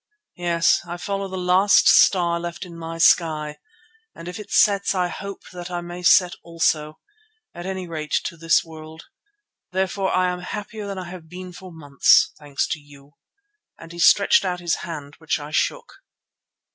Yes, I follow the last star left in my sky and if it sets I hope that I may set also, at any rate to this world. Therefore I am happier than I have been for months, thanks to you," and he stretched out his hand, which I shook.